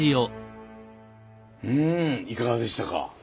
うんいかがでしたか？